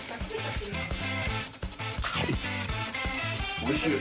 おいしい？